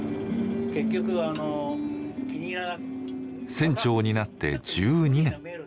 船長になって１２年。